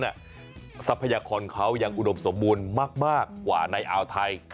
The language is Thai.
ที่ทางนั้นทรัพยาคลเขายังอุดมสมบูรณ์มากกว่าในอาวไทย